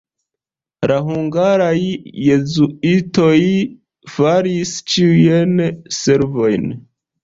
La hungaraj jezuitoj faris ĉiujn servojn.